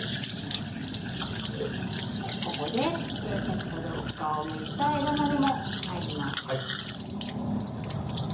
ここで先ほど薄皮をむいた枝豆も入ります。